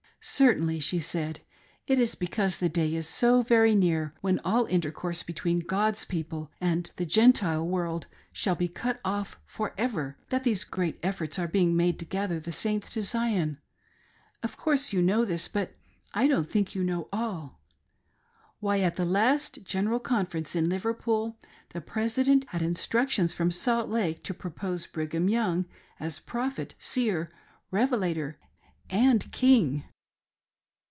" Certainly," she said, " it is because the day is so very near when all intercourse between God's people and the Gentile world shall be cut off for ever that these great efforts are being made to gather the Saints to Zion. Of course you know this, but I don't think you know all. Why, at the last general conference in Liverpool, the president had instruc tions from Salt Lake to propose Brigham Young as 'prophet, seer, revelator, and King!'"